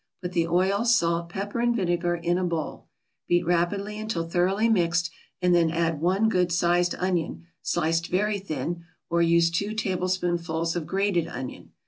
Put the oil, salt, pepper and vinegar in a bowl, beat rapidly until thoroughly mixed, and then add one good sized onion, sliced very thin, or use two tablespoonfuls of grated onion.